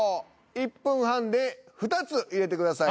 １分半で２つ入れてください。